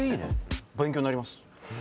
勉強になります。